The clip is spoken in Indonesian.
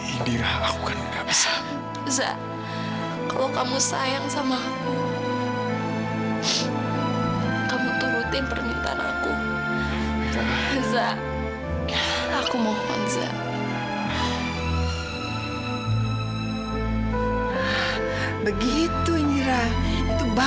indira aku kan gak bisa